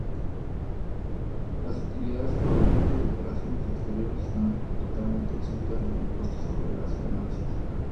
Las utilidades provenientes de operaciones exteriores están totalmente exentas del impuesto sobre las ganancias.